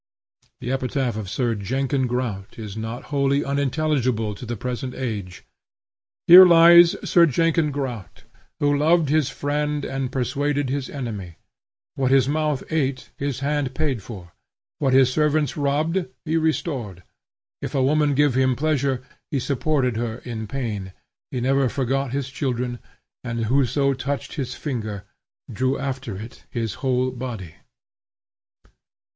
The epitaph of Sir Jenkin Grout is not wholly unintelligible to the present age: "Here lies Sir Jenkin Grout, who loved his friend and persuaded his enemy: what his mouth ate, his hand paid for: what his servants robbed, he restored: if a woman gave him pleasure, he supported her in pain: he never forgot his children; and whoso touched his finger, drew after it his whole body."